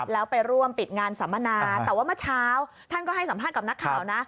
แล้วไปร่วมปิดงานสัมมนาแต่ว่าเมื่อเช้าท่านก็ให้สัมภาษณ์กับนักข่าวนะ